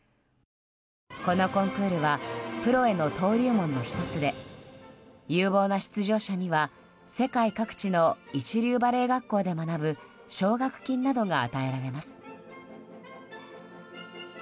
このコンクールはプロへの登竜門の１つで有望な出場者には世界各地の一流バレエ学校で学ぶ奨学金などが与えられます。